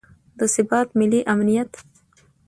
د ثبات، ملي امنیت